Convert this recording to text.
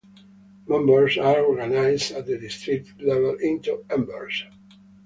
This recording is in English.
Members are organized at the district level into Embers.